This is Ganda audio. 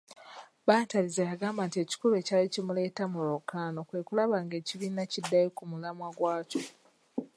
Bantariza yagamba nti ekikulu ekyali kimuleeta mu lwokaano kwekulaba nga ekibiina kiddayo kumiramwa gyaakyo.